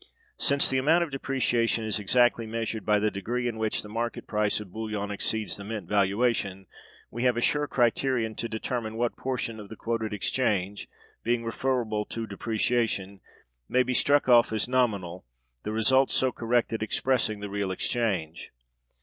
Since the amount of depreciation is exactly measured by the degree in which the market price of bullion exceeds the mint valuation, we have a sure criterion to determine what portion of the quoted exchange, being referable to depreciation, may be struck off as nominal, the result so corrected expressing the real exchange.